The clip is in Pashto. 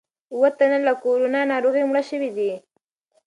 اووه تنه له کورونا ناروغۍ مړه شوي دي.